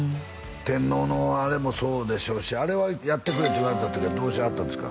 天皇のあれもそうでしょうしあれはやってくれって言われた時はどうしはったんですか？